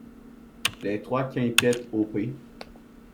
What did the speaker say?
Les trois quintettes op.